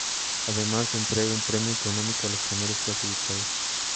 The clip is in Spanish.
Además, se entrega un premio económico a los primeros clasificados.